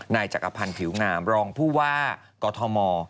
นายจักรพันธ์ผิวงามรองผู้ว่ากอทม